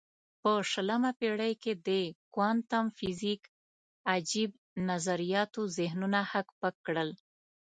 په شلمه پېړۍ کې د کوانتم فزیک عجیب نظریاتو ذهنونه هک پک کړل.